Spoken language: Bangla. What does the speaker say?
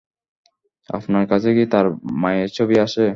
আপনার কাছে কি তার মাযের ছবি আছে?